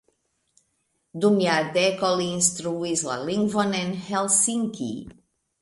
Dum jardekoj li instruis la lingvon en Helsinki.